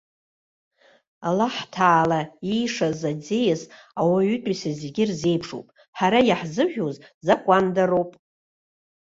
Аллаҳҭаала иишаз аӡиас ауаатәыҩса зегьы ирзеиԥшуп, ҳара иаҳзыжәуз закәандароуп!